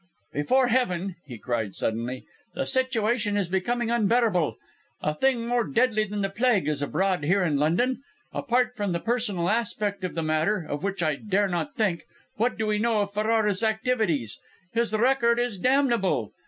"Before Heaven!" he cried suddenly, "the situation is becoming unbearable. A thing more deadly than the Plague is abroad here in London. Apart from the personal aspect of the matter of which I dare not think! what do we know of Ferrara's activities? His record is damnable.